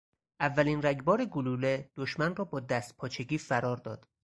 اولین رگبار گلوله دشمن را با دستپاچگی فرار داد.